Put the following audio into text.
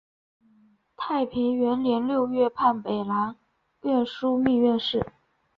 太平元年六月判北南院枢密院事。